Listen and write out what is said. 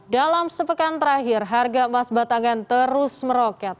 dalam sepekan terakhir harga emas batangan terus meroket